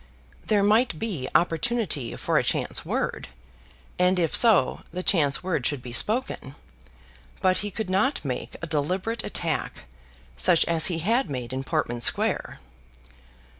There might be opportunity for a chance word, and if so the chance word should be spoken; but he could not make a deliberate attack, such as he had made in Portman Square.